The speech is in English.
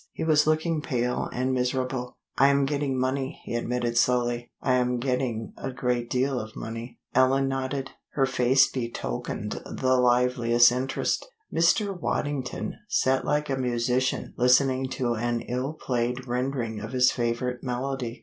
He was looking pale and miserable. "I am getting money," he admitted slowly. "I am getting a great deal of money." Ellen nodded. Her face betokened the liveliest interest. Mr. Waddington sat like a musician listening to an ill played rendering of his favorite melody.